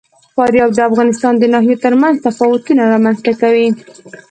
فاریاب د افغانستان د ناحیو ترمنځ تفاوتونه رامنځ ته کوي.